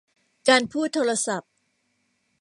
การพูดโทรศัพท์